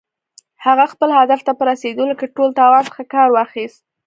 هغه خپل هدف ته په رسېدلو کې له ټول توان څخه کار واخيست.